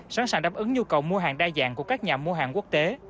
sẵn sàng đáp ứng nhu cầu mua hàng đa dạng của các nhà mua hàng quốc tế